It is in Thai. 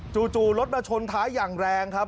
จู่รถมาชนท้ายอย่างแรงครับ